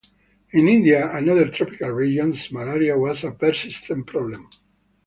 In India and other tropical regions, malaria was a persistent problem.